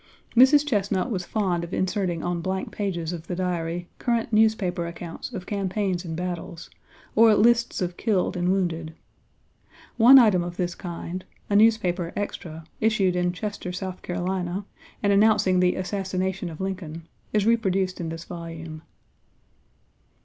Mrs. Chesnut was fond of inserting on blank pages of the Diary current newspaper accounts of campaigns and battles, or lists of killed and wounded. One item of this kind, a newspaper "extra," issued in Chester, S. C., and announcing the assassination of Lincoln, is reproduced in this volume.